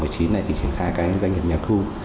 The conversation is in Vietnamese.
thì triển khai doanh nghiệp nhà thu